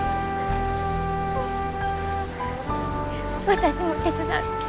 私も手伝う。